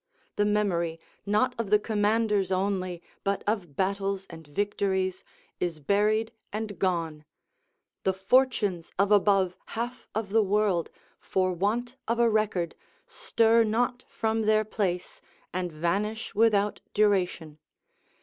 The memory, not of the commanders only, but of battles and victories, is buried and gone; the fortunes of above half of the world, for want of a record, stir not from their place, and vanish without duration.